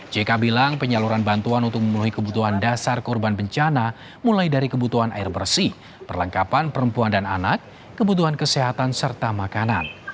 jk bilang penyaluran bantuan untuk memenuhi kebutuhan dasar korban bencana mulai dari kebutuhan air bersih perlengkapan perempuan dan anak kebutuhan kesehatan serta makanan